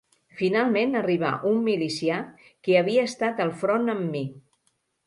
Finalment arribà un milicià que havia estat al front amb mi